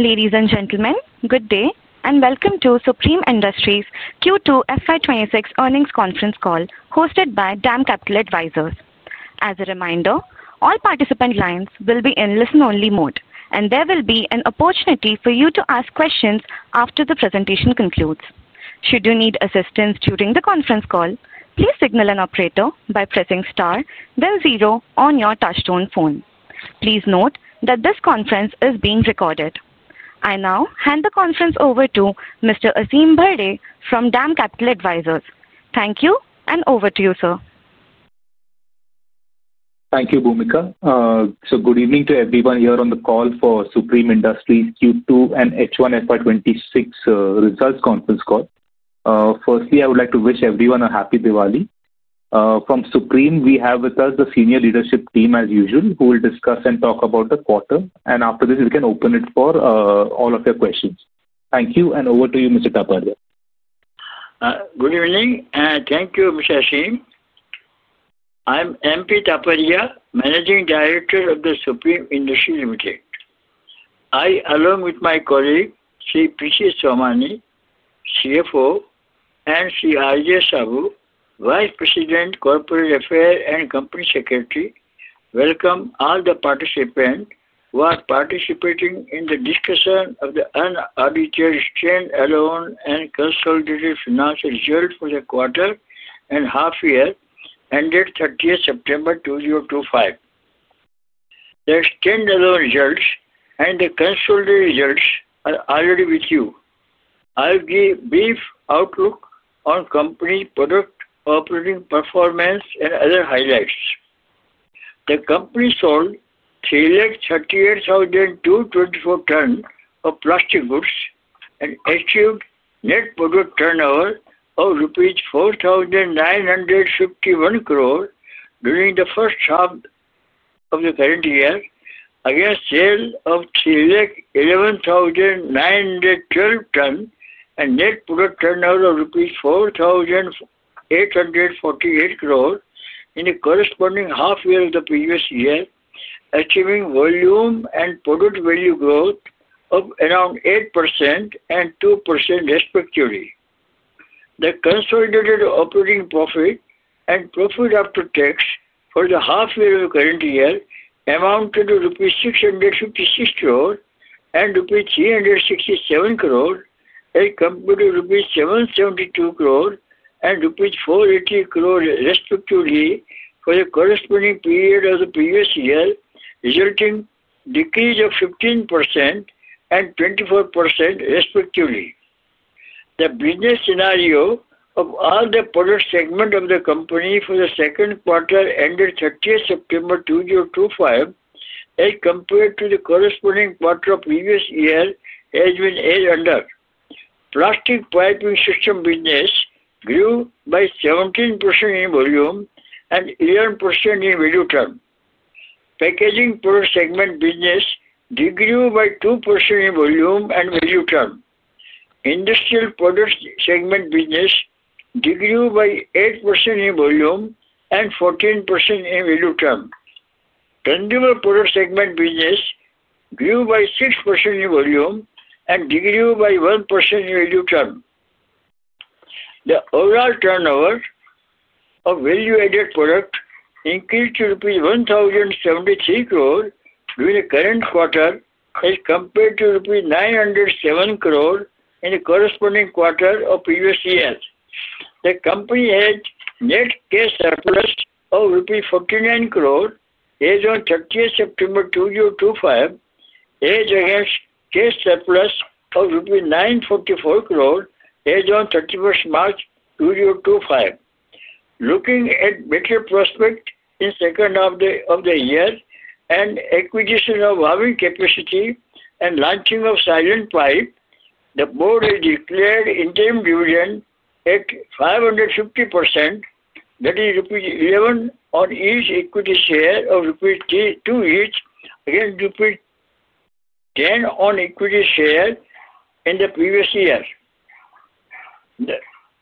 Ladies and gentlemen, good day and welcome to Supreme Industries Q2 FY 2026 earnings conference call hosted by DAM Capital Advisors. As a reminder, all participant lines will be in listen-only mode, and there will be an opportunity for you to ask questions after the presentation concludes. Should you need assistance during the conference call, please signal an operator by pressing star, then zero on your touch-tone phone. Please note that this conference is being recorded. I now hand the conference over to Mr. Aasim Bharde from DAM Capital Advisors. Thank you and over to you, sir. Thank you, Bhumika. Good evening to everyone here on the call for Supreme Industries Q2 and H1 FY 2026 results conference call. Firstly, I would like to wish everyone a happy Diwali. From Supreme, we have with us the senior leadership team as usual, who will discuss and talk about the quarter, and after this, we can open it for all of your questions. Thank you and over to you, Mr. Taparia. Good evening and thank you, Mr. Aasim. I'm M.P. Taparia, Managing Director of Supreme Industries. I, along with my colleague, P.C. Somani, CFO, and Shri R.J. Saboo, Vice President, Corporate Affairs and Company Secretary, welcome all the participants who are participating in the discussion of the unaudited standalone and consolidated financial results for the quarter and half-year ended 30th September 2025. The standalone results and the consolidated results are already with you. I'll give a brief outlook on company product operating performance and other highlights. The company sold 338,224 tonnes of plastic goods and achieved net product turnover of rupees 4,951 crore during the first half of the current year, against a sale of 309,912 tonnes and net product turnover of rupees 4,848 crore in the corresponding half-year of the previous year, achieving volume and product value growth of around 8% and 2% respectively. The consolidated operating profit and profit after tax for the half-year of the current year amounted to rupees 656 crore and rupees 367 crore, as compared to rupees 772 crore and rupees 480 crore respectively for the corresponding period of the previous year, resulting in a decrease of 15% and 24% respectively. The business scenario of all the product segments of the company for the second quarter ended 30th September 2025, as compared to the corresponding quarter of the previous year, has been as under: Plastic Piping System business grew by 17% in volume and 11% in value terms. Packaging Products segment business did grow by 2% in volume and value terms. Industrial Products segment business did grow by 8% in volume and 14% in value terms. Consumer Products segment business grew by 6% in volume and did grow by 1% in value terms. The overall turnover of value-added product increased to rupees 1,073 crore during the current quarter, as compared to rupees 907 crore in the corresponding quarter of the previous year. The company had net cash surplus of 49 crore, as on 30th September 2025, as against cash surplus of INR 944 crore, as on 31st March 2025. Looking at the better prospects in the second half of the year and acquisition of housing capacity and launching of silent pipe, the board has declared interim dividend at 550%, that is rupees 11 on each equity share of rupees 2 each against rupees 10 on equity shares in the previous year. The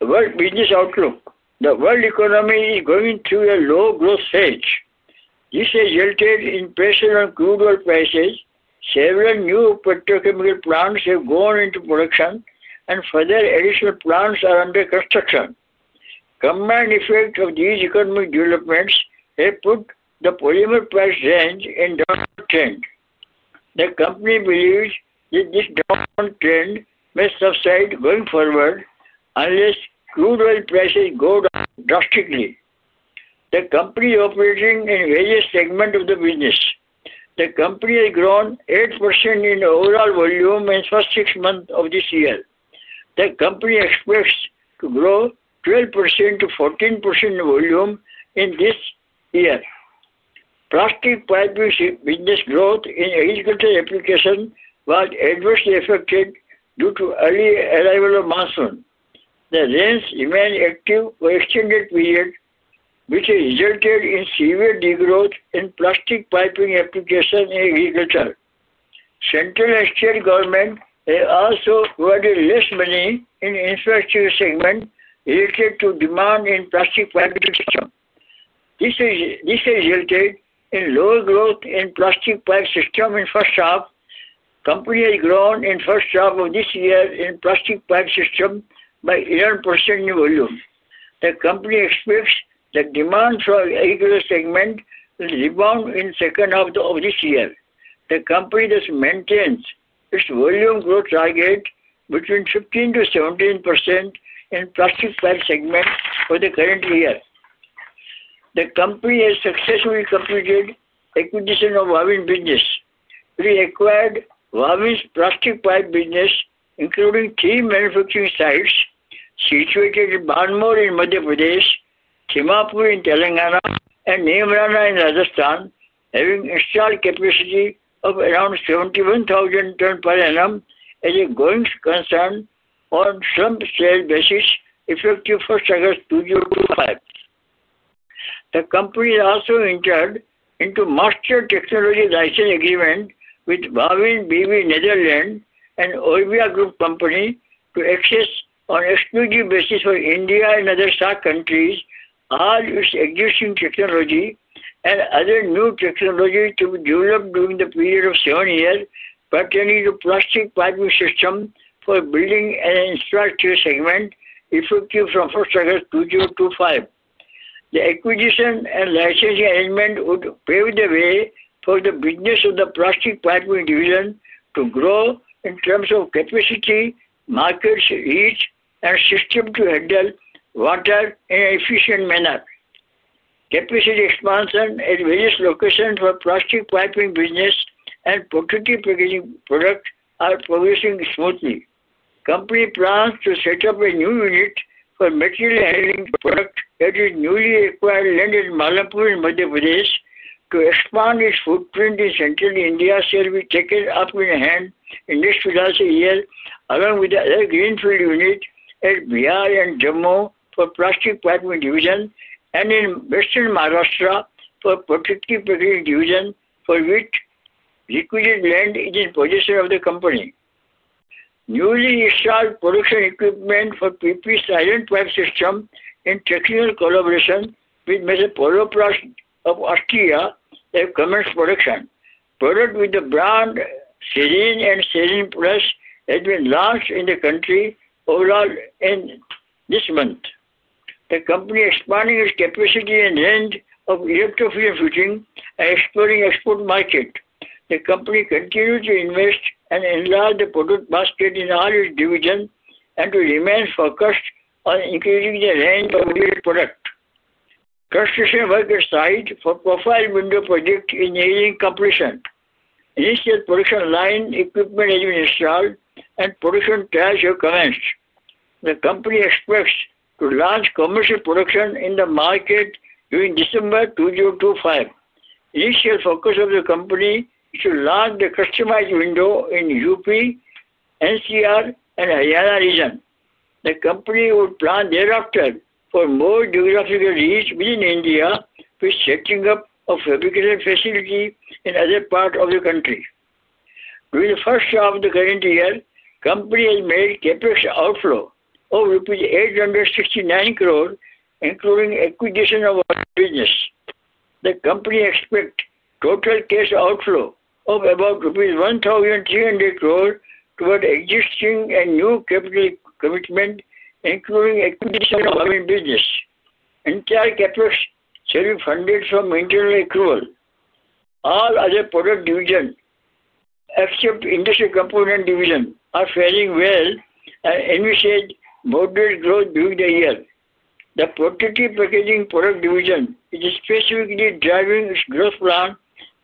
world business outlook: the world economy is going through a low growth phase. This has resulted in pressure on crude oil prices. Several new petrochemical plants have gone into production, and further additional plants are under construction. The combined effects of these economic developments have put the polymer price range in a downward trend. The company believes that this downward trend may subside going forward unless crude oil prices go down drastically. The company is operating in various segments of the business. The company has grown 8% in overall volume in the first six months of this year. The company expects to grow 12%-14% in volume in this year. Plastic piping business growth in agriculture applications was adversely affected due to the early arrival of the monsoon. The rains remained active for an extended period, which has resulted in severe degrowth in plastic piping applications in agriculture. The central and state government have also provided less money in the infrastructure segment related to demand in the Plastic Piping System. This has resulted in lower growth in the Plastic Piping System in the first half. The company has grown in the first half of this year in the Plastic Piping System by 11% in volume. The company expects the demand from the agriculture segment will rebound in the second half of this year. The company does maintain its volume growth target between 15%-17% in the plastic pipe segment for the current year. The company has successfully completed the acquisition of the housing business. We acquired the housing plastic pipe business, including three manufacturing sites situated in Banmore in the Madhya Pradesh, Timmapur in Telangana, and Neemrana in Rajasthan, having installed capacity of around 71,000 tonnes per annum as a going concern on a slump sales basis effective August 1st, 2025. The company has also entered into a master technology license agreement with Wavin B.V. Netherlands and Orbia Group Company to access, on an exclusive basis for India and other SAARC countries, all its existing technology and other new technologies to be developed during the period of seven years pertaining to the Plastic Piping System for the building and the infrastructure segment effective from August 1st, 2025. The acquisition and licensing arrangement would pave the way for the business of the plastic piping division to grow in terms of capacity, market reach, and systems to handle water in an efficient manner. Capacity expansion at various locations for the plastic piping business and potential Packaging Products is progressing smoothly. The company plans to set up a new unit for material handling products at its newly acquired land in Malanpur in Madhya Pradesh to expand its footprint in Central India. This shall be taken up in hand in this financial year, along with the other greenfield units at Bihar and Jammu for the Plastic Piping System division and in Western Maharashtra for the Packaging Products division, for which requisite land is in the possession of the company. Newly installed production equipment for the PP silent pipe system in technical collaboration with [Mr.] POLOPLAST of Austria has commenced production. Products with the brand Serene and Serene Plus have been launched in the country overall in this month. The company is expanding its capacity and range of Electro-fusion Fittings and exploring the export market. The company continues to invest and enlarge the product basket in all its divisions and to remain focused on increasing the range of the product. Construction work assigned for the PVC profiles for windows project is nearing completion. Initial production line equipment has been installed, and production tests have commenced. The company expects to launch commercial production in the market during December 2025. The initial focus of the company is to launch the customized window in the U.P., NCR, and Haryana regions. The company would plan thereafter for more geographical reach within India, with the setting up of a fabrication facility in other parts of the country. During the first half of the current year, the company has made a capital outflow of 869 crore, including the acquisition of the housing business. The company expects the total cash outflow of about rupees 1,300 crore towards existing and new capital commitments, including the acquisition of the housing business. The entire capital shall be funded from internal accrual. All other product divisions, except the Industrial Products division, are faring well and envisage moderate growth during the year. The Packaging Products division is specifically driving its growth plan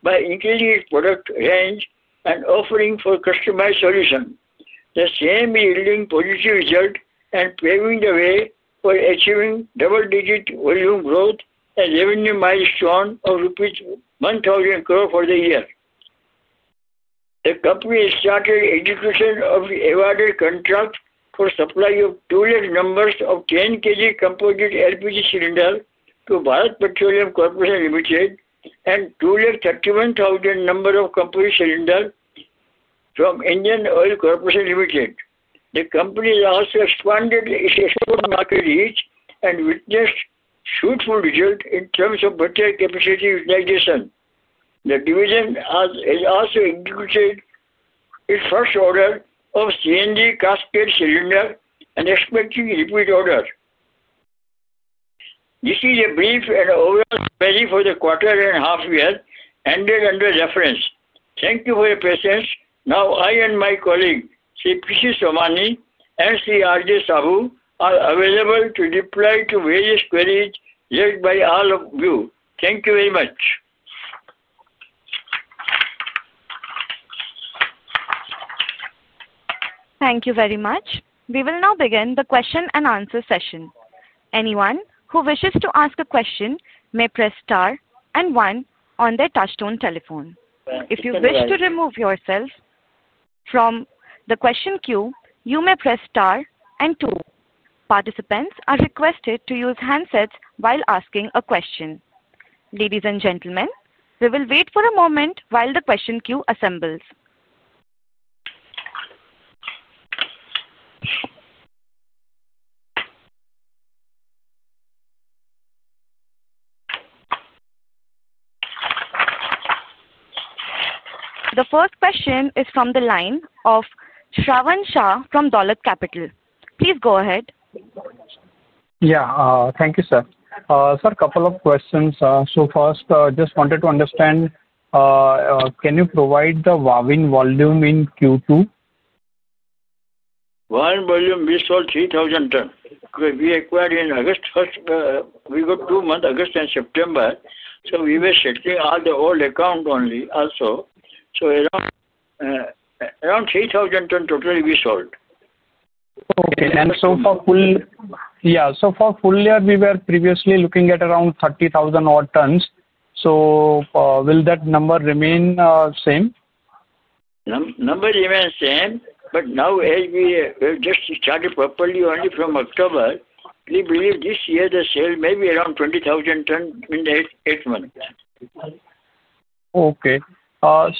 by increasing its product range and offering customized solutions. The same is yielding positive results and paving the way for achieving double-digit volume growth and revenue milestone of rupees 1,000 crore for the year. The company has started the execution of the awarded contract for the supply of 200,000 numbers of 10 kg composite LPG cylinders to Bharat Petroleum Corporation Ltd and 2 lakh 31,000 numbers of composite cylinders from Indian Oil Corporation Ltd. The company has also expanded its export market reach and witnessed a suitable result in terms of material capacity utilization. The division has also executed its first order of CNG cascade cylinders and is expecting a repeat order. This is a brief and overall summary for the quarter and half-year ended under reference. Thank you for your patience. Now, I and my colleagues, Shri P. C.Somani and Shri R.J. Saboo, are available to reply to various queries raised by all of you. Thank you very much. Thank you very much. We will now begin the question and answer session. Anyone who wishes to ask a question may press star and one on their touch-tone telephone. If you wish to remove yourself from the question queue, you may press star and two. Participants are requested to use handsets while asking a question. Ladies and gentlemen, we will wait for a moment while the question queue assembles. The first question is from the line of Shravan Shah from Dolat Capital. Please go ahead. Thank you, sir. Sir, a couple of questions. First, I just wanted to understand, can you provide the Wavin volume in Q2? Wavin volume, we sold 3,000 tonnes because we acquired in August 1st. We got two months, August and September, so we were settling all the old account only also. Around 3,000 tonnes totally we sold. Okay. For the full year, we were previously looking at around 30,000 odd tonnes. Will that number remain the same? Number remains the same, but now as we have just started properly only from October, we believe this year the sale may be around 20,000 tonnes in eight months. Okay.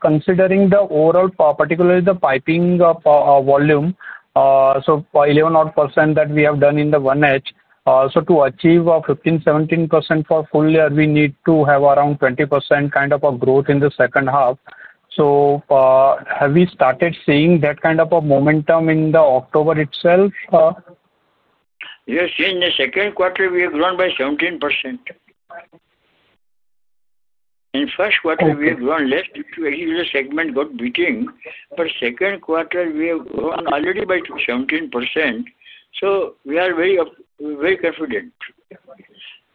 Considering the overall, particularly the piping volume, 11% odd that we have done in the 1H, to achieve 15%-17% for the full year, we need to have around 20% kind of growth in the second half. Have we started seeing that kind of momentum in October itself? Yes. In the second quarter, we have grown by 17%. In the first quarter, we have grown less because the segment got beaten, but in the second quarter, we have grown already by 17%. We are very confident.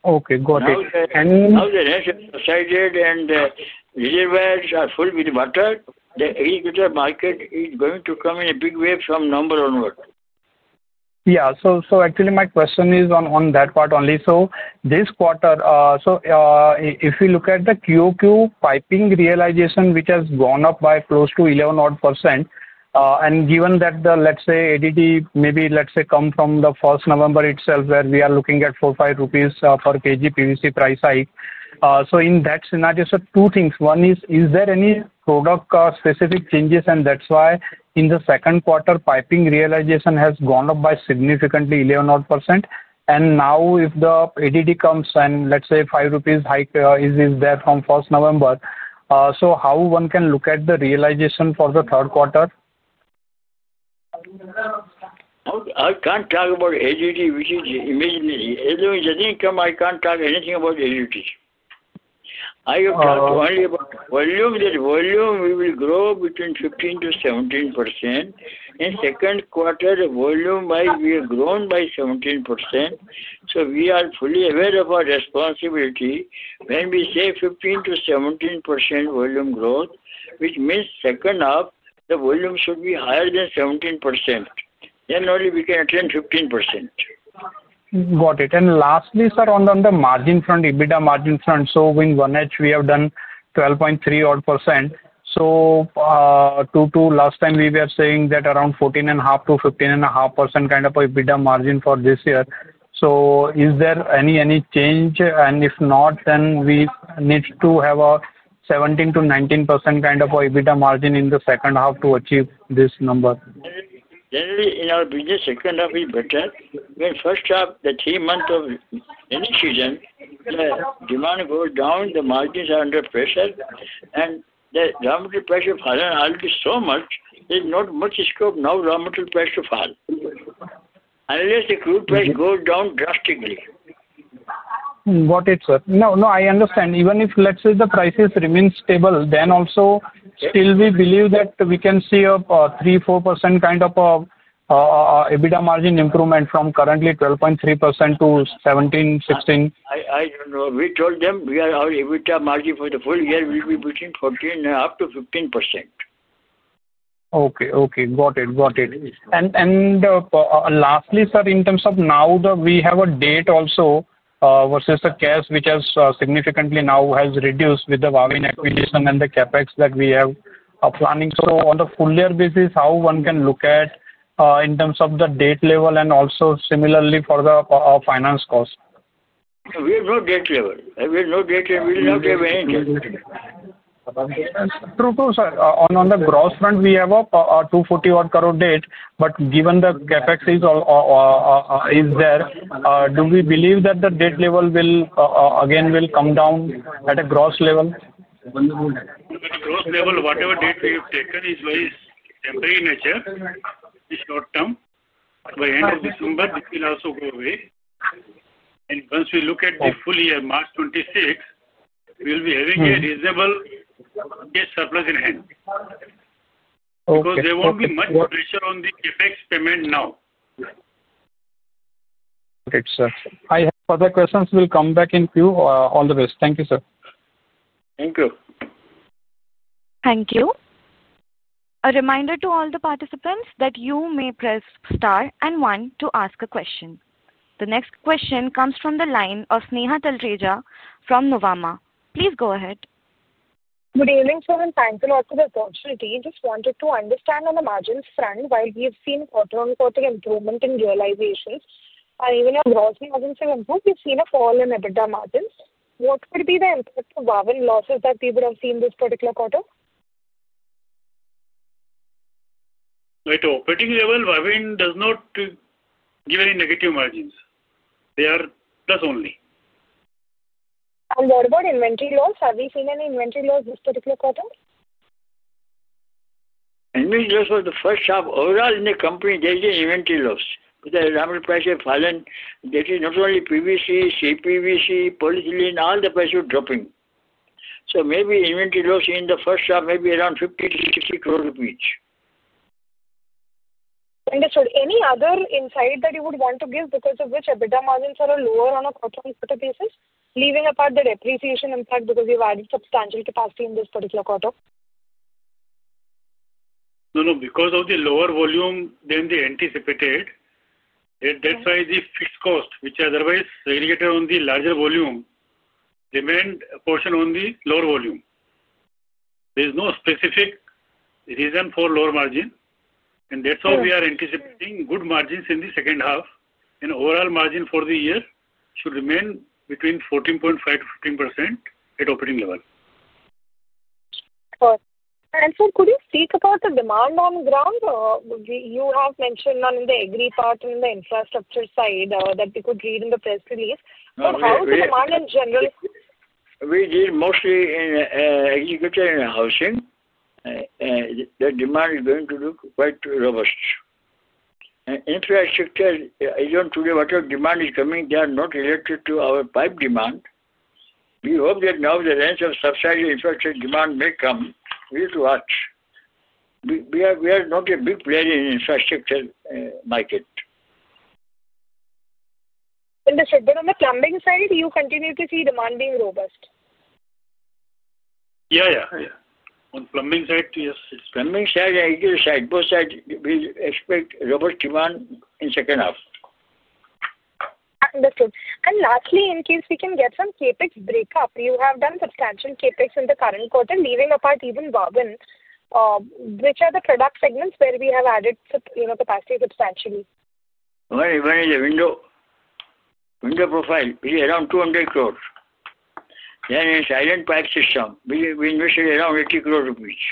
Okay. Got it. Now the rents have subsided, and the reservoirs are full with water. The agriculture market is going to come in a big way from November onward. Yeah. Actually, my question is on that part only. This quarter, if you look at the Q2 piping realization, which has gone up by close to 11%, and given that the, let's say, additive maybe, let's say, come from the 1st November itself where we are looking at four or five rupees per kg PVC price hike, in that scenario, sir, two things. One is, is there any product-specific changes? That's why in the second quarter, piping realization has gone up by significantly 11%. Now, if the additive comes and, let's say, five rupees hike is there from 1st November, how one can look at the realization for the third quarter? I can't talk about additive, which is imaginary. As long as the income, I can't talk anything about additive. I have talked only about volume. The volume will grow between 15%-17%. In the second quarter, the volume might be grown by 17%. We are fully aware of our responsibility when we say 15%-17% volume growth, which means the second half, the volume should be higher than 17%. Only then can we attain 15%. Got it. Lastly, sir, on the margin front, EBITDA margin front, in one edge, we have done 12.3% odd. Q2, last time, we were saying that around 14.5%-15.5% kind of an EBITDA margin for this year. Is there any change? If not, then we need to have a 17%-19% kind of an EBITDA margin in the second half to achieve this number. Generally, in our business, the second half is better. In the first half, the three months of any season, the demand goes down, the margins are under pressure, and the raw material price of iron already is so much, there's not much scope now for raw material price to fall unless the crude price goes down drastically. Got it, sir. No, no, I understand. Even if, let's say, the prices remain stable, then also still we believe that we can see a 3%-4% kind of an EBITDA margin improvement from currently 12.3% to 17%, 16%? I don't know. We told them our EBITDA margin for the full year will be between 14% and up to 15%. Okay. Got it. Lastly, sir, in terms of now, we have a debt also versus the cash, which has significantly now reduced with the Wavin acquisition and the CapEx that we have planning. On the full-year basis, how one can look at in terms of the debt level and also similarly for the finance cost? We have no date level. We have no date level. We will not have any date level. Sir, on the gross front, we have a 240 crore debt, but given the CapEx is there, do we believe that the debt level will again come down at a gross level? At a gross level, whatever date we have taken is always temporary in nature. It's short term. By the end of December, it will also go away. Once we look at the full year, March 2026, we'll be having a reasonable cash surplus in hand because there won't be much pressure on the CapEx payment now. Got it, sir. I have further questions. We'll come back in a few. All the best. Thank you, sir. Thank you. Thank you. A reminder to all the participants that you may press star and one to ask a question. The next question comes from the line of Sneha Talreja from Nuvama. Please go ahead. Good evening, sir, and thank you a lot for the opportunity. I just wanted to understand on the margins front, while we have seen quarter-on-quarter improvement in realizations, and even our gross margins have improved, we've seen a fall in EBITDA margins. What would be the impact of Wavin losses that we would have seen this particular quarter? At the operating level, Wavin does not give any negative margins. They are plus only. What about inventory loss? Have we seen any inventory loss this particular quarter? Inventory loss for the first half, overall in the company, there is an inventory loss. The raw material price has fallen. That is not only PVC, CPVC, polyethylene, all the prices are dropping. Inventory loss in the first half may be around 50-60 crore each. Understood. Any other insight that you would want to give because of which EBITDA margins are lower on a quarter-on-quarter basis, leaving apart the depreciation impact because you've added substantial capacity in this particular quarter? No, no. Because of the lower volume than anticipated, that's why the fixed cost, which is otherwise aggregated on the larger volume, remained a portion on the lower volume. There is no specific reason for lower margin. We are anticipating good margins in the second half. Overall margin for the year should remain between 14.5%-15% at the operating level. Got it. Sir, could you speak about the demand on the ground? You have mentioned on the agri part and the infrastructure side that we could read in the press release. How is the demand in general? We deal mostly in agriculture and housing. The demand is going to look quite robust. In infrastructure, as on today, whatever demand is coming, they are not related to our pipe demand. We hope that now the rents have subsided, infrastructure demand may come. We have to watch. We are not a big player in the infrastructure market. Understood. On the plumbing side, you continue to see demand being robust? Yeah, yeah. On the plumbing side, yes. Plumbing side, I guess, sidebar side, we expect robust demand in the second half. Understood. Lastly, in case we can get some CapEx breakup, you have done substantial CapEx in the current quarter. Leaving apart even Wavin, which are the product segments where we have added capacity substantially? When it's a window profile, we have around 200 crore. In the silent pipe system, we invested around 80 crore rupees each.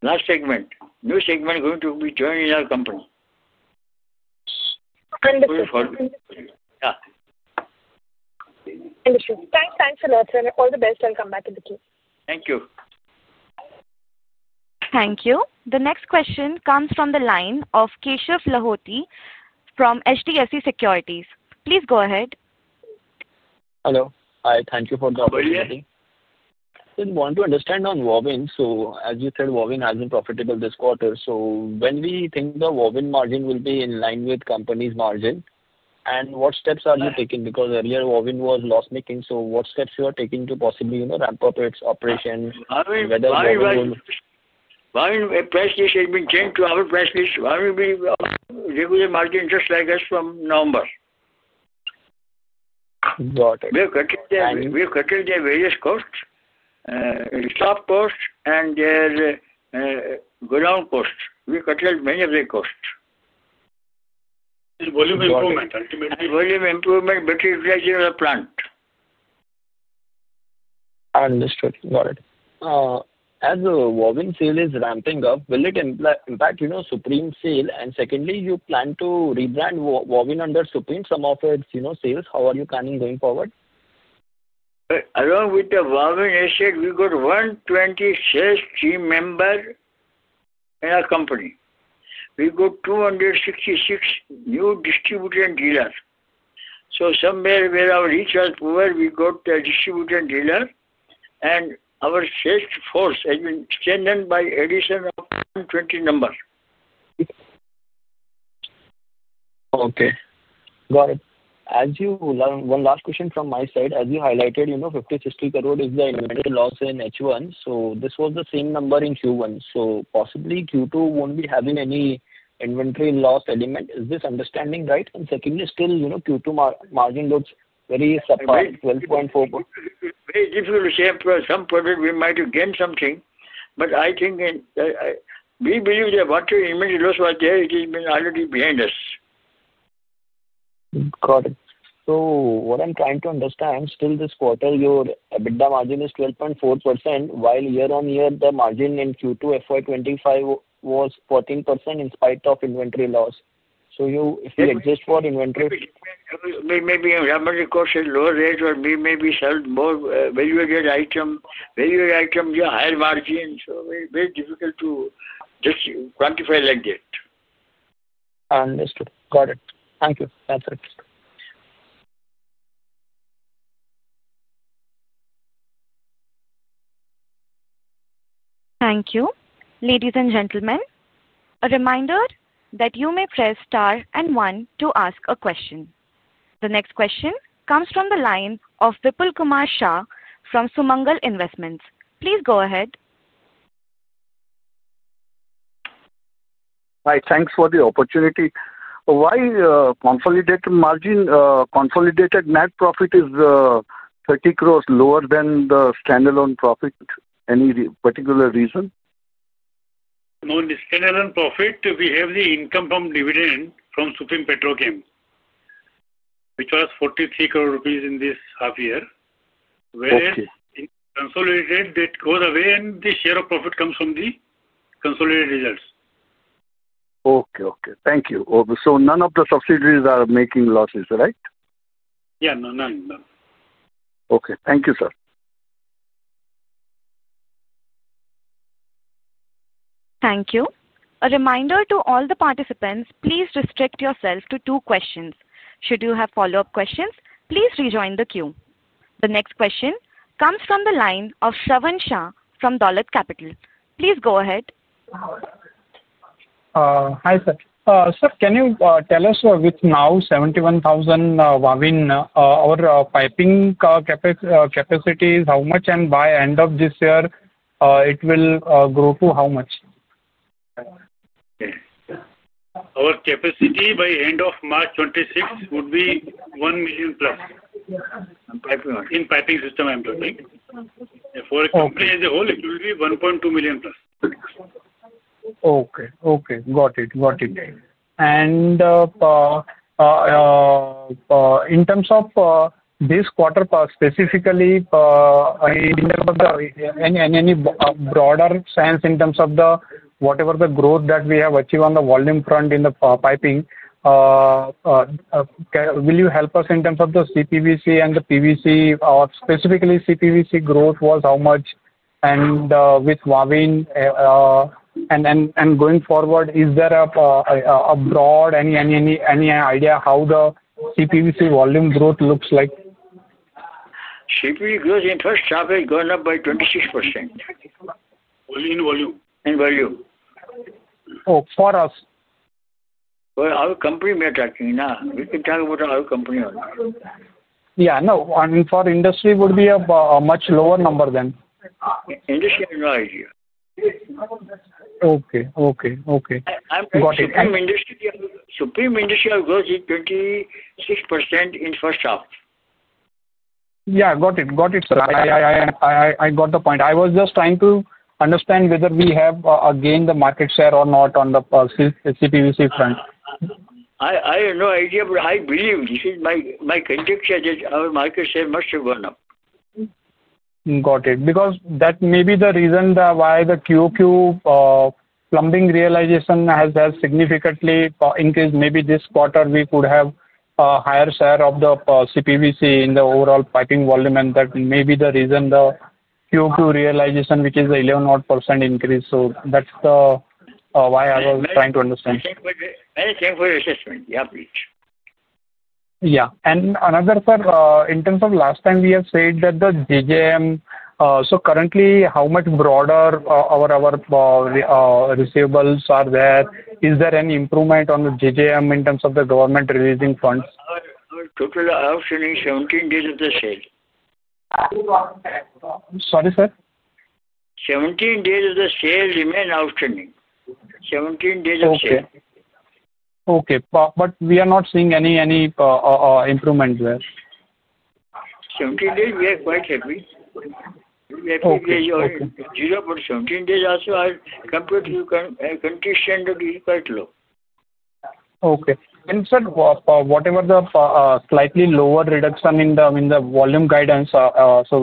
Last segment, new segment is going to be joining our company. Understood. Thanks a lot, sir. All the best. I'll come back in a few. Thank you. Thank you. The next question comes from the line of Keshav Lahoti from HDFC Securities. Please go ahead. Hello. Hi. Thank you for the opportunity. I just want to understand on Wavin. As you said, Wavin has been profitable this quarter. When do you think the Wavin margin will be in line with the company's margin? What steps are you taking? Earlier, Wavin was loss-making. What steps are you taking to possibly ramp up its operations? Wavin price list has been changed to our price list. Wavin will be a regular margin just like us from November. Got it. We have cut their various costs, in-shop costs, and their ground costs. We cut many of their costs. It's volume improvement, ultimately. Volume improvement, better utilization of the plant. Understood. Got it. As the Wavin sale is ramping up, will it impact, you know, Supreme sale? Secondly, you plan to rebrand Wavin under Supreme, some of its, you know, sales. How are you planning going forward? Along with the Wavin asset, we got 120 share team members in our company. We got 266 new distributors and dealers. Somewhere where our reach was poor, we got distributors and dealers, and our sales force has been strengthened by the addition of 120 numbers. Okay. Got it. One last question from my side. As you highlighted, you know 50 crore, 60 crore is the inventory loss in H1. This was the same number in Q1. Possibly, Q2 won't be having any inventory loss element. Is this understanding right? Secondly, still, you know Q2 margin looks very supplied, 12.4%. If we share some product, we might have gained something. I think we believe that whatever inventory loss was there, it has been already behind us. Got it. What I'm trying to understand, this quarter, your EBITDA margin is 12.4%, while year-on-year, the margin in Q2 FY 2025 was 14% in spite of inventory loss. If you exist for inventory. Maybe our margin cost is lower range, but we may be selling more valuable items. Valuable items have higher margins. It's very difficult to just quantify like that. Understood. Got it. Thank you. That's it. Thank you. Ladies and gentlemen, a reminder that you may press star and one to ask a question. The next question comes from the line of Vipulkumar Shah from Sumangal Investments. Please go ahead. Hi. Thanks for the opportunity. Why is the consolidated margin, consolidated net profit 30 crore lower than the standalone profit? Any particular reason? No. In the standalone profit, we have the income from dividend from Supreme Petrochem, which was 43 crore rupees in this half-year. Whereas in the consolidated, that goes away, and the share of profit comes from the consolidated results. Okay. Thank you. None of the subsidiaries are making losses, right? No, none. No. Okay. Thank you, sir. Thank you. A reminder to all the participants, please restrict yourself to two questions. Should you have follow-up questions, please rejoin the queue. The next question comes from the line of Shravan Shah from Dolat Capital. Please go ahead. Hi, sir. Sir, can you tell us with now 71,000 Wavin, our piping capacity is how much? By the end of this year, it will grow to how much? Our capacity by the end of March 2026 would be 1+ million. In the Plastic Piping System, I am talking. For the company as a whole, it will be 1.2+ million. Okay. Got it. In terms of this quarter, specifically, in the broader sense, in terms of whatever the growth that we have achieved on the volume front in the piping, will you help us in terms of the CPVC and the PVC? Specifically, CPVC growth was how much? With Wavin, going forward, is there a broad idea how the CPVC volume growth looks like? CPVC growth in the first half has gone up by 26%. In volume? In volume. Oh, for us? Our company we are talking now. We can talk about our company only. Yeah. No, for industry, it would be a much lower number then. Industry, I have no idea. Okay. Got it. Supreme Industries growth is 26% in the first half. Got it. Got it, sir. I got the point. I was just trying to understand whether we have gained the market share or not on the CPVC front. I have no idea, but I believe this is my conjecture that our market share must have gone up. Got it. That may be the reason why the Q2 plumbing realization has significantly increased. Maybe this quarter, we could have a higher share of the CPVC in the overall piping volume, and that may be the reason the Q2 realization, which is the 11% odd increase. That's why I was trying to understand. Thank you for your assessment. Yeah, please. Yeah. Another, sir, in terms of last time, we have said that the [GJM], so currently, how much broader our receivables are there? Is there any improvement on the [GJM] in terms of the government releasing funds? Total outstanding is 17 days of the sale. Sorry, sir? Seventeen days of the sale remain outstanding. 17 days of sale. Okay. Okay. We are not seeing any improvement there. Seventeen days, we are quite happy. We are quite happy with the result. Seventeen days also are comparatively consistently quite low. Okay. Sir, whatever the slightly lower reduction in the volume guidance,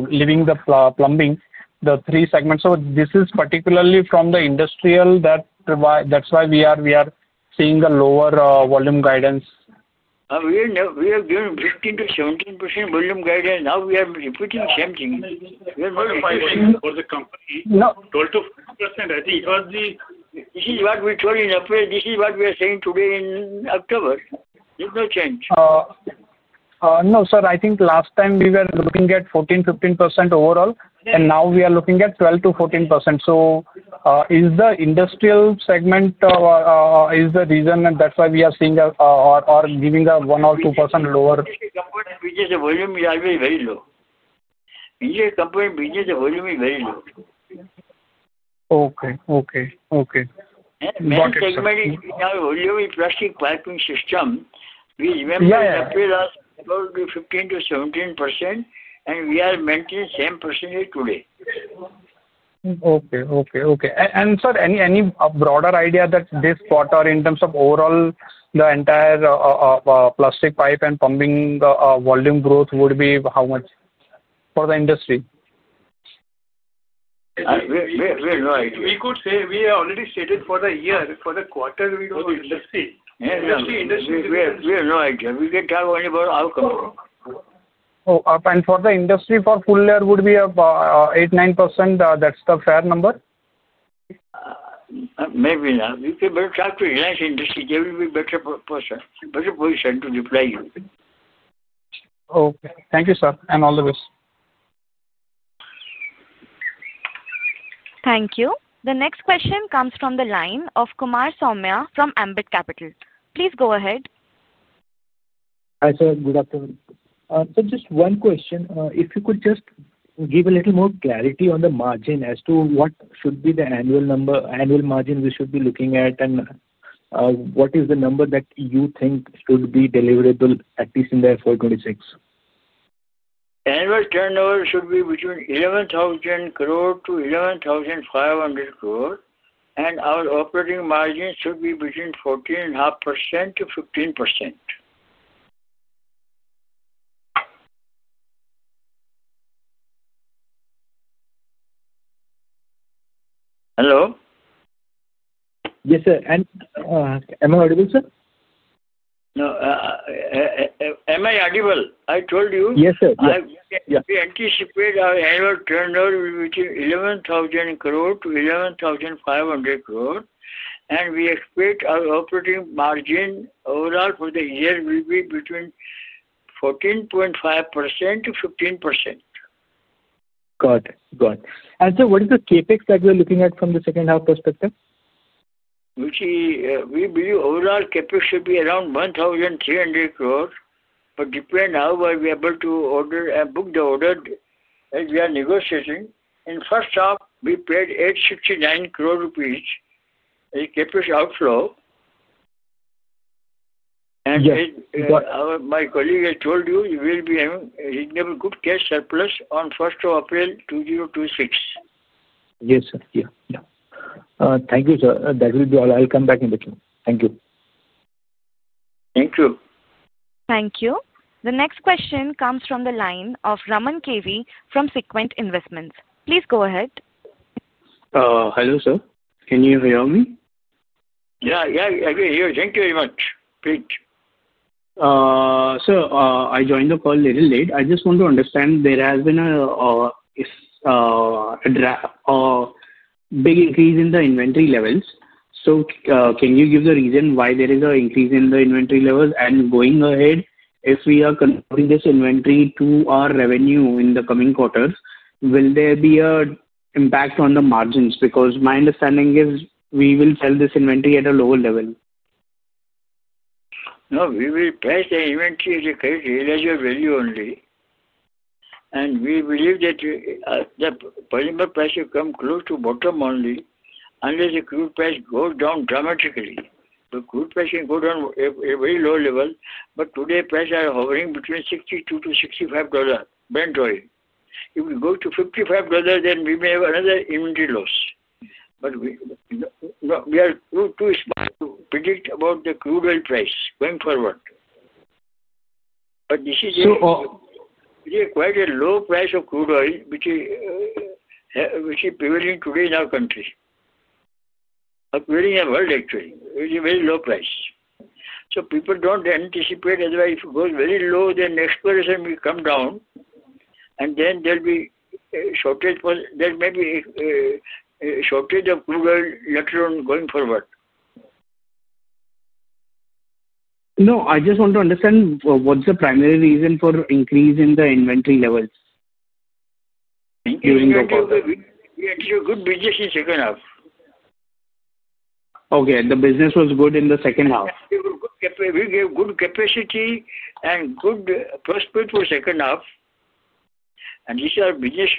leaving the plumbing, the three segments, this is particularly from the Industrial, that's why we are seeing a lower volume guidance. We have given 15%-17% volume guidance. Now we are repeating the same thing. We have no requirement for the company. No. Twelve to 14%. I think this is what we told you in April. This is what we are saying today in October. There's no change. No, sir. I think last time, we were looking at 14%-15% overall, and now we are looking at 12%-14%. Is the Industrial segment the reason that that's why we are seeing or giving a 1% or 2% lower? Because the company's business volume is very low. Okay. Got it. The main segment is now volume in Plastic Piping System, which when last April was about 15%-17%, and we are maintaining the same percentage today. Okay. Sir, any broader idea that this quarter in terms of overall the entire plastic pipe and plumbing volume growth would be how much for the industry? We have no idea. We could say we have already stated for the year. For the quarter, we don't know. Industry. We have no idea. We can talk only about our company. For the industry, for the full year, would be 8%, 9%? That's the fair number? Maybe not. We can better talk to the Reliance Industries. They will be a better person, better position to reply you. Okay. Thank you, sir, and all the best. Thank you. The next question comes from the line of Kumar Saumya from Ambit Capital. Please go ahead. Hi, sir. Good afternoon. Sir, just one question. If you could just give a little more clarity on the margin as to what should be the annual number, annual margin we should be looking at, and what is the number that you think should be deliverable at least in the FY 2026? Annual turnover should be between 11,000 crore-11,500 crore. Our operating margin should be between 14.5%-15%. Hello? Yes, sir. Am I audible, sir? Am I audible? I told you. Yes, sir. We anticipate our annual turnover between INR 11,000 crore-INR 11,500 crore. We expect our operating margin overall for the year will be between 14.5%-15%. Got it. What is the CapEx that we are looking at from the second half perspective? We believe overall CapEx should be around 1,300 crore, depending on how we are able to order and book the order as we are negotiating. In the first half, we paid 869 crore rupees as CapEx outflow. As my colleague has told you, we will be having a reasonable good cash surplus on the 1st of April 2026. Yes, sir. Thank you, sir. That will be all. I'll come back in a bit. Thank you. Thank you. Thank you. The next question comes from the line of Raman K.V. from Sequent Investments. Please go ahead. Hello, sir. Can you hear me? Yeah, I can hear you. Thank you very much. Please. Sir, I joined the call a little late. I just want to understand. There has been a big increase in the inventory levels. Can you give the reason why there is an increase in the inventory levels? If we are converting this inventory to our revenue in the coming quarters, will there be an impact on the margins? My understanding is we will sell this inventory at a lower level. No. We will price the inventory at a relative value only. We believe that the polymer price should come close to bottom only unless the crude price goes down dramatically. The crude price can go down at a very low level. Today, prices are hovering between $62-$65 Brent Oil. If we go to $55, we may have another inventory loss. We are too small to predict about the crude oil price going forward. This is quite a low price of crude oil, which is prevailing today in our country, prevailing in the world, actually. It is a very low price. People don't anticipate. If it goes very low, next quarter, it will come down, and then there will be a shortage of crude oil later on going forward. No, I just want to understand what's the primary reason for increase in the inventory levels during the quarter? Because we achieved good business in the second half. The business was good in the second half. We gave good capacity and good prospects for the second half. This is our business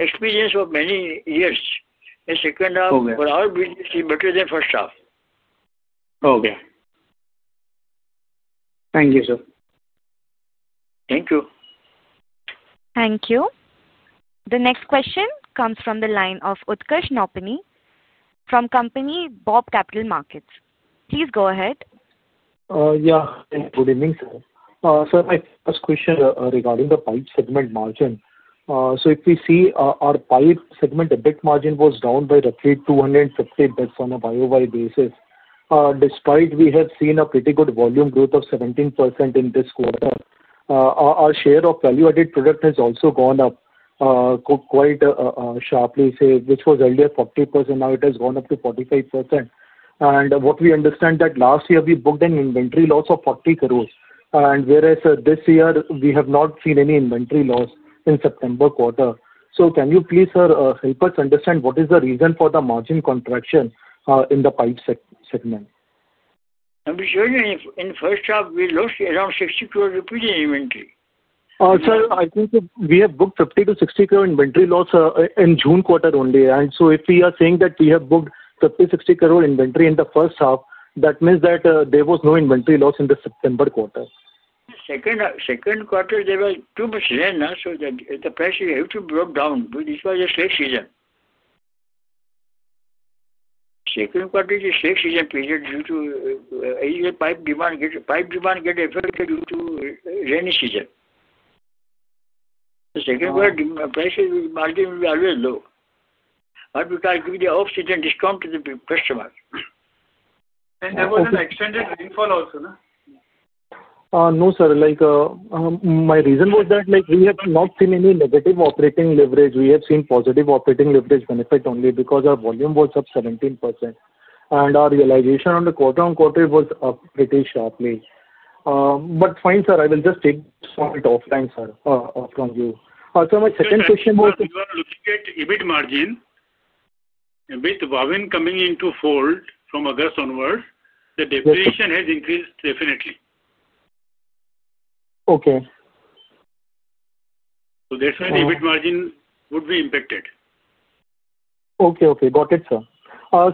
experience for many years. The second half for our business is better than the first half. Okay. Thank you, sir. Thank you. Thank you. The next question comes from the line of Utkarsh Nopany from BOB Capital Markets. Please go ahead. Yeah. Good evening, sir. Sir, my first question regarding the pipe segment margin. If we see our pipe segment EBITDA margin was down by roughly 250 bps on a YoY basis, despite we have seen a pretty good volume growth of 17% in this quarter. Our share of value-added product has also gone up quite sharply, which was earlier 40%. Now it has gone up to 45%. What we understand is that last year, we booked an inventory loss of 40 crore, whereas this year, we have not seen any inventory loss in the September quarter. Can you please, sir, help us understand what is the reason for the margin contraction in the pipe segment? I will show you. In the first half, we lost around INR 60 crore in inventory. Sir, I think we have booked INR 50 crore-INR 60 crore inventory loss in the June quarter only. If we are saying that we have booked INR 50 crore, INR 60 crore inventory in the first half, that means that there was no inventory loss in the September quarter. The second quarter, there was too much rain, so the prices have to drop down. This was a slow season. The second quarter is a slow season period due to annual pipe demand. Pipe demand gets affected due to the rainy season. The second quarter, prices and margins will be always low. We try to give the off-season discount to the customers. There was an extended rainfall also, no? No, sir. My reason was that we have not seen any negative operating leverage. We have seen positive operating leverage benefit only because our volume was up 17% and our realization on the quarter-on-quarter was up pretty sharply. Fine, sir. I will just take some of it offline, sir, from you. My second question was. If you are looking at EBITDA margin with Wavin coming into fold from August onwards, the depreciation has increased definitely. Okay. That's when the EBITDA margin would be impacted. Okay. Okay. Got it, sir.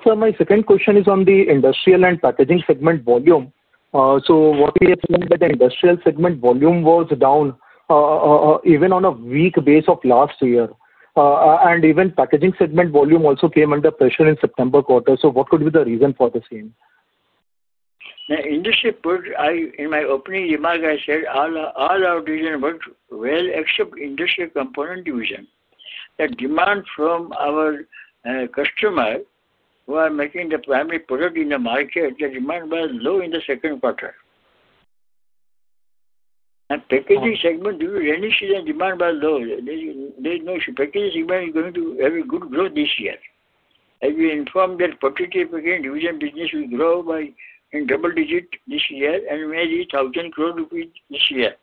Sir, my second question is on the Industrial and Packaging segment volume. What we have seen is that the Industrial segment volume was down even on a weak base of last year, and even Packaging segment volume also came under pressure in the September quarter. What could be the reason for the same? In my opening remark, I said all our divisions worked well except the Industrial Component division. The demand from our customers who are making the primary product in the market, the demand was low in the second quarter. In the Packaging segment, due to the rainy season, demand was low. There is no issue. Packaging segment is going to have a good growth this year. As we informed that the property Packaging division business will grow in double digits this year and maybe 1,000 crore rupees this year,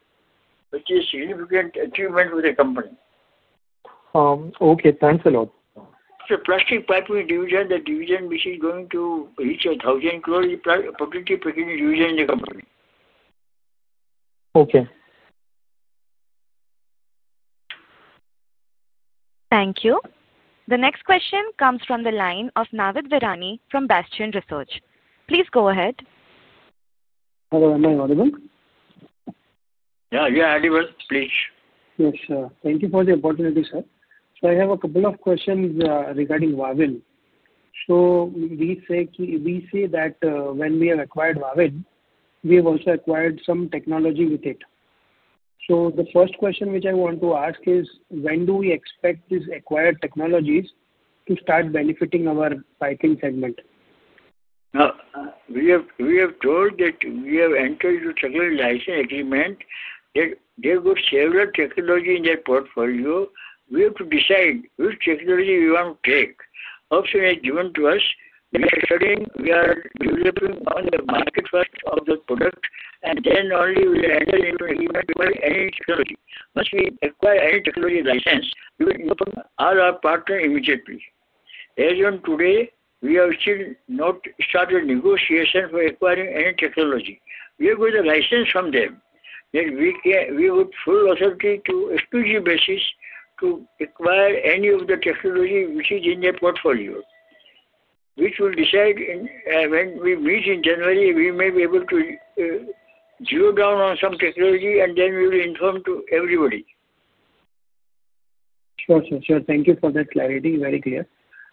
which is a significant achievement for the company. Okay, thanks a lot. The Plastic Piping division, the division which is going to reach 1,000 crore, is the property packaging division in the company. Okay. Thank you. The next question comes from the line of Navid Virani from Bastion Research. Please go ahead. Hello. Am I audible? Yeah, you are audible, please. Yes, sir. Thank you for the opportunity, sir. I have a couple of questions regarding Wavin. We say that when we have acquired Wavin, we have also acquired some technology with it. The first question which I want to ask is, when do we expect these acquired technologies to start benefiting our piping segment? We have told that we have entered into a technology license agreement. There were several technologies in the portfolio. We have to decide which technology we want to take. Option is given to us. We are studying. We are developing all the market first of the product, and then only we will handle even if we acquire any technology. Once we acquire any technology license, we will know from all our partners immediately. As on today, we have still not started negotiations for acquiring any technology. We have got the license from them. We would have full authority on an exclusive basis to acquire any of the technology which is in their portfolio. We will decide when we meet in January. We may be able to drill down on some technology, and then we will inform everybody. Sure, sir. Thank you for that clarity. Very clear.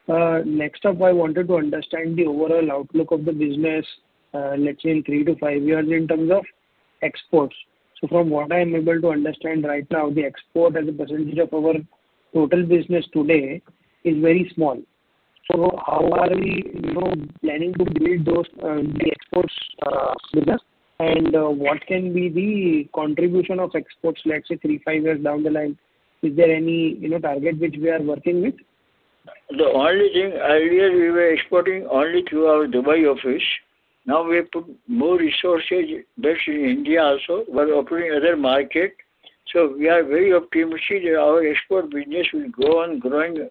Next up, I wanted to understand the overall outlook of the business, let's say, in three to five years in terms of exports. From what I am able to understand right now, the export as a % of our total business today is very small. How are we planning to build the exports with us? What can be the contribution of exports, let's say, three, five years down the line? Is there any target which we are working with? The only thing, earlier, we were exporting only through our Dubai office. Now we have put more resources based in India also. We're opening other markets. We are very optimistic that our export business will go on growing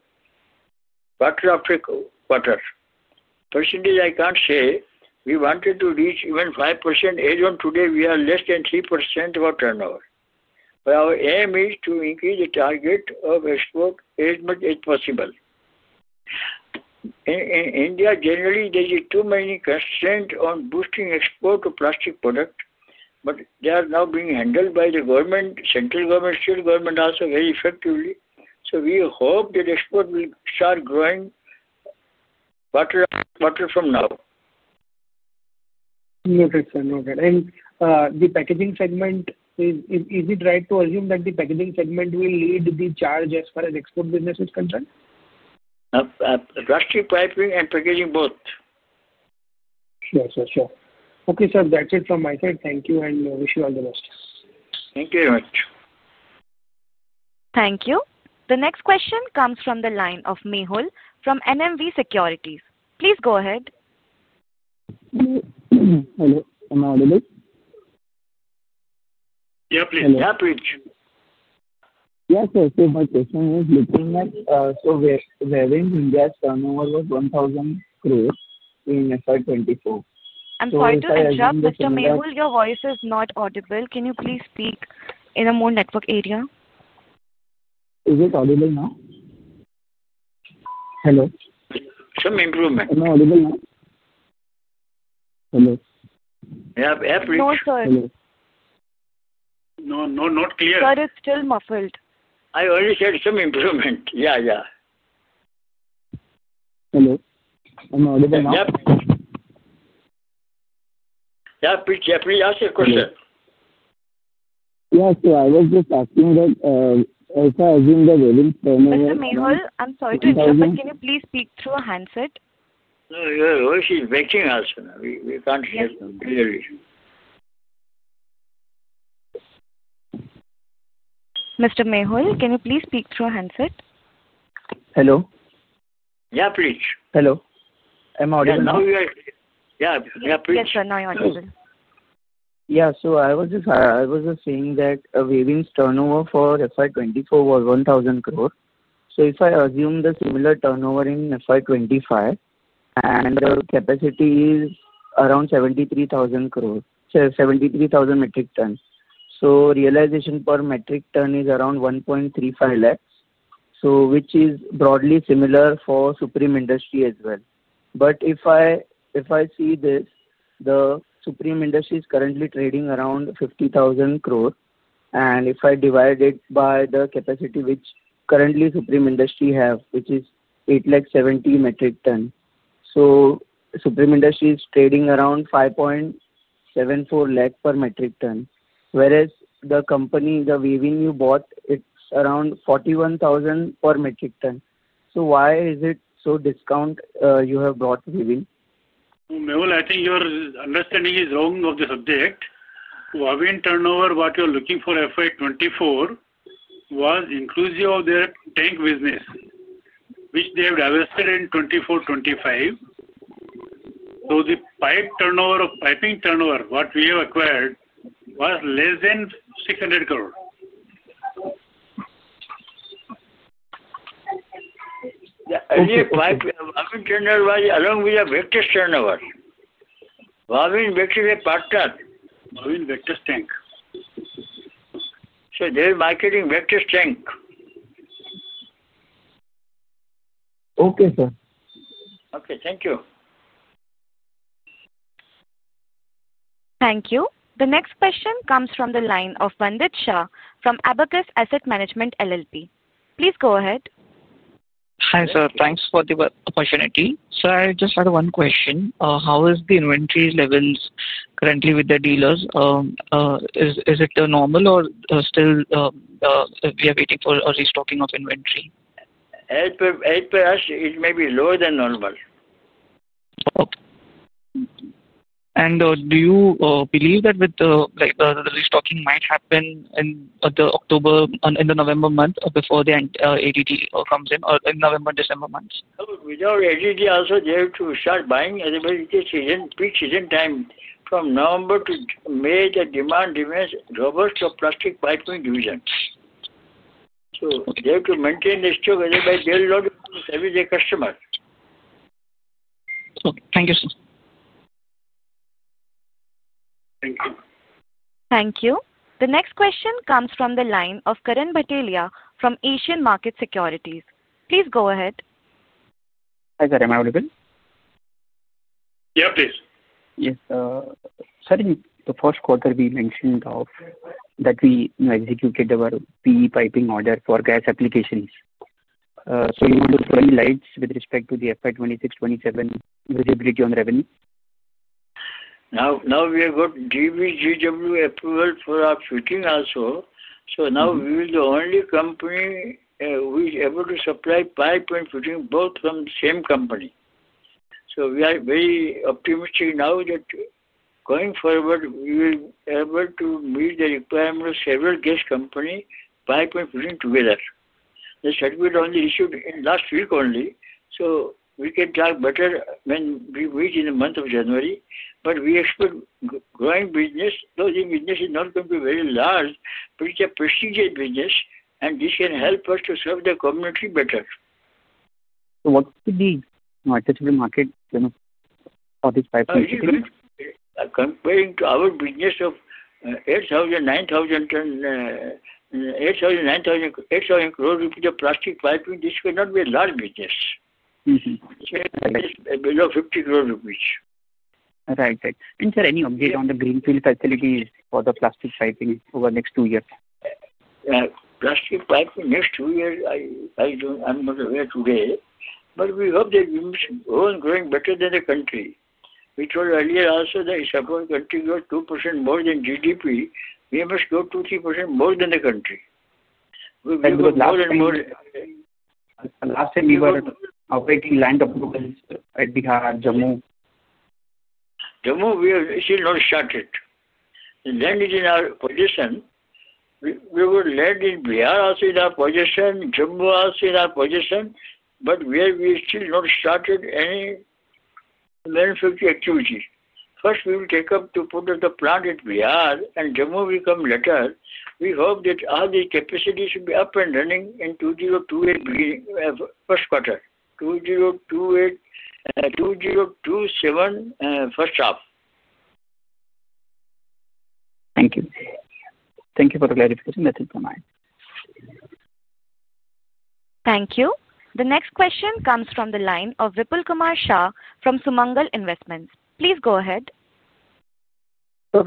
quarter after quarter. Percentage, I can't say. We wanted to reach even 5%. As on today, we are less than 3% of our turnover. Our aim is to increase the target of export as much as possible. In India, generally, there are too many constraints on boosting export of plastic products. They are now being handled by the government, central government, state government also very effectively. We hope that exports will start growing quarter after quarter from now. Noted, sir. Noted. Is it right to assume that the Packaging segment will lead the charge as far as export business is concerned? Plastic Piping and Packaging, both. Sure, sir. Sure. Okay, sir. That's it from my side. Thank you, and wish you all the best. Thank you very much. Thank you. The next question comes from the line of Mehul from NMB Securities. Please go ahead. Hello. Am I audible? Yeah, please. Hello. Yeah, please. Yeah, sir. My question is looking at, we're having Wavin India's turnover was 1,000 crore in FY 2024. I'm sorry to interrupt, Mr. Mehul. Your voice is not audible. Can you please speak in a more network area? Is it audible now? Hello? Some improvement. Am I audible now? Hello? Yeah, please. No, sir. Hello? No, not clear. Sir, it's still muffled. I already said some improvement. Yeah, yeah. Hello, am I audible now? Yeah, please. Ask your question. Yeah, sir, I was just asking that, as far as in the revenue turnover. Mr. Mehul, I'm sorry to interrupt. Can you please speak through a handset? No, no. She's waiting also. We can't hear her. Clearly. Mr. Mehul, can you please speak through a handset? Hello? Yeah, please. Hello, am I audible? You are clear now. Yeah, please. Yes, sir. Now you're audible. Yeah. I was just saying that a revenue turnover for FY 2024 was 1,000 crore. If I assume the similar turnover in FY 2025 and the capacity is around 73,000 metric tons, realization per metric ton is around 1.35 lakh, which is broadly similar for Supreme Industries as well. If I see this, Supreme Industries is currently trading around 50,000 crore. If I divide it by the capacity which currently Supreme Industries has, which is 8.7 lakh metric tons, Supreme Industries is trading around 5.74 lakh per metric ton. Whereas the company, the Wavin, you bought, it's around 41,000 per metric ton. Why is it so discount you have brought Wavin? Mehul, I think your understanding is wrong of the subject. Wavin turnover, what you are looking for FY 2024, was inclusive of their tank business, which they have divested in 2024, 2025. The pipe turnover, piping turnover, what we have acquired was less than 600 crore. Yeah. We acquired Wavin turnover along with [Vector]'s turnover. Wavin [Vector] is a partner. Wavin [Vector]'s tank. They are marketing [Vector]'s tank. Okay, sir. Okay, thank you. Thank you. The next question comes from the line of Vandit Shah from Abakkus Asset Management LLP. Please go ahead. Hi, sir. Thanks for the opportunity. Sir, I just had one question. How is the inventory levels currently with the dealers? Is it normal or still we are waiting for a restocking of inventory? As per us, it may be lower than normal. Okay. Do you believe that the restocking might happen in the October, in the November month before the ADD comes in or in the November, December months? No. With our ADD, also, they have to start buying as well in the pre-season time. From November to May, the demand remains robust for Plastic Piping divisions. They have to maintain the stock as well. They are logging service to the customers. Okay. Thank you, sir. Thank you. Thank you. The next question comes from the line of Karan Bhatelia from Asian Market Securities. Please go ahead. Hi, Karan. Am I audible? Yeah, please. Yes. Sir, in the first quarter, we mentioned that we executed our PE piping order for gas applications. You want to explain lights with respect to the FY 2026, 2027 variability on the revenue? Now we have got DVGW approval for our fitting also. We are the only company which is able to supply piping fitting both from the same company. We are very optimistic now that going forward, we will be able to meet the requirement of several gas companies piping fitting together. The certificate is only issued in the last week only. We can talk better when we meet in the month of January. We expect growing business. Closing business is not going to be very large, but it's a prestigious business. This can help us to serve the community better. What's the need to the market to satisfy this need? Comparing to our business of 8,000 crore rupees, INR 9,000 crore of plastic piping, this cannot be a large business. It's below 50 crore rupees. Right. Right. Sir, any update on the greenfield facilities for the Plastic System over the next two years? Plastic piping next two years, I'm not aware today. We hope that we must go on growing better than the country. We told earlier also that if our country grows 2% more than GDP, we must grow 2%, 3% more than the country. We will grow more and more. Last time, you were operating land approvals at Bihar, Jammu. Jammu, we have still not started. The land is in our possession. We were land in Bihar also in our possession. Jammu also in our possession. We still have not started any manufacturing activities. First, we will take up the plant at Bihar, and Jammu will come later. We hope that all the capacity should be up and running in the beginning of 2028, first quarter, 2028, 2027 first half. Thank you. Thank you for the clarification. That is fine. Thank you. The next question comes from the line of Vipulkumar Shah from Sumangal Investments. Please go ahead. Sir,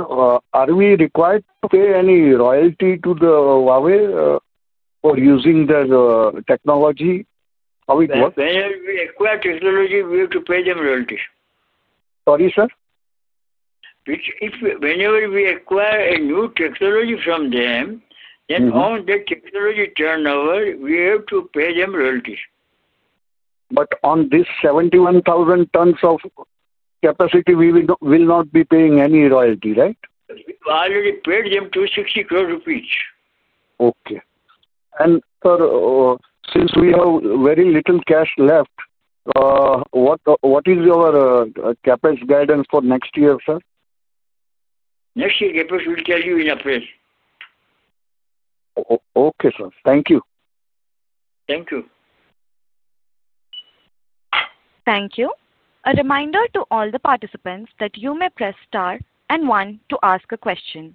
are we required to pay any royalty to Wavin for using their technology? How does it work? Yes, whenever we acquire technology, we have to pay them royalties. Sorry, sir? Whenever we acquire a new technology from them, on the technology turnover, we have to pay them royalties. On these 71,000 tons of capacity, we will not be paying any royalty, right? We've already paid them 260 crore rupees each. Okay. Sir, since we have very little cash left, what is your CapEx guidance for next year, sir? Next year, CapEx will tell you in April. Okay, sir. Thank you. Thank you. Thank you. A reminder to all the participants that you may press star and one to ask a question.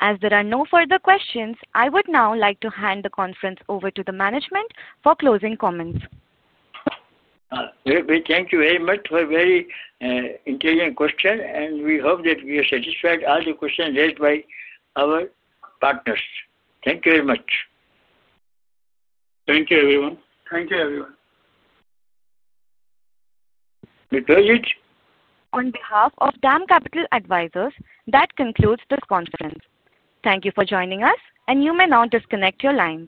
As there are no further questions, I would now like to hand the conference over to the management for closing comments. Thank you very much for a very intelligent question. We hope that we have satisfied all the questions raised by our partners. Thank you very much. Thank you, everyone. Thank you, everyone. We close it. On behalf of DAM Capital Advisors, that concludes this conference. Thank you for joining us, and you may now disconnect your line.